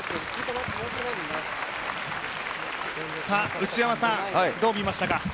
内山さん、どう見ましたか？